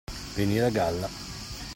Venire a galla.